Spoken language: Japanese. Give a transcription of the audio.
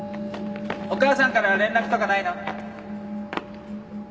お母さんから連絡とかないの？